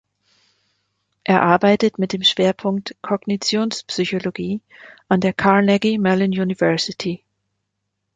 Er arbeitet mit dem Schwerpunkt Kognitionspsychologie an der Carnegie Mellon University.